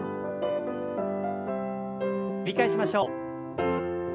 繰り返しましょう。